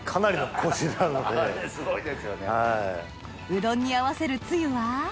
うどんに合わせるつゆは？